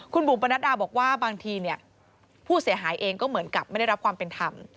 คุณบุ๋มปนัดดาบอกว่าบางทีผู้เสียหายเองก็เหมือนกับไม่ได้รับความเป็นธรรม